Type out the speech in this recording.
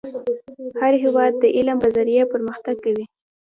هر هیواد د علم په ذریعه پرمختګ کوي .